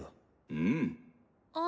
うん？